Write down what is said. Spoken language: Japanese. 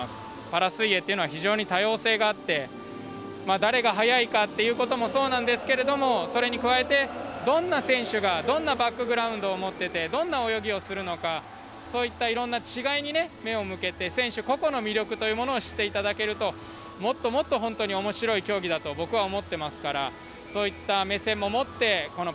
パラ水泳っていうのは非常に多様性があってまあ誰が速いかっていうこともそうなんですけれどもそれに加えてどんな選手がどんなバックグラウンドを持っててどんな泳ぎをするのかそういったいろんな違いにね目を向けて選手個々の魅力というものを知っていただけるともっともっと本当に面白い競技だと僕は思ってますからそういった目線も持ってこのパラリンピックパラ水泳